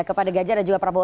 kepada ganjar dan juga prabowo